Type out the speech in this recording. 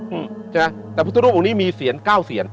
พระพุทธรูปอังนี้มีเซียน๙เซียน